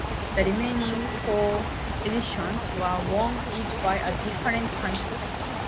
The remaining four editions were won each by a different country.